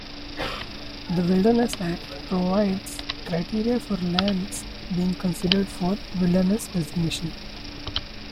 The Wilderness Act provides criteria for lands being considered for wilderness designation.